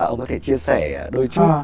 ông có thể chia sẻ đôi chút